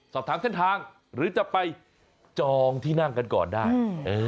สอบถามเส้นทางหรือจะไปจองที่นั่งกันก่อนได้